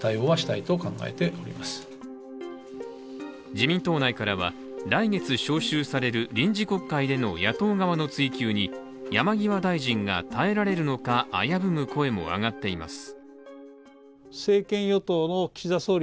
自民党内からは、来月召集される臨時国会での野党側の追及に山際大臣が耐えられるのか危ぶむ声も上がっています。